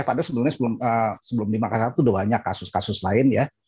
padahal sebelumnya sebelum di makassar itu sudah banyak kasus kasus lain ya